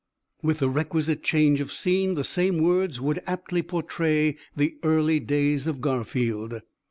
"With the requisite change of scene the same words would aptly portray the early days of Garfield.